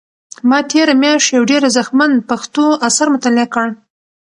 ما تېره میاشت یو ډېر ارزښتمن پښتو اثر مطالعه کړ.